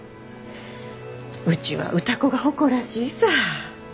うちは歌子が誇らしいさぁ。